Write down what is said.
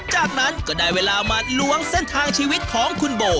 จากนั้นก็ได้เวลามาล้วงเส้นทางชีวิตของคุณโบ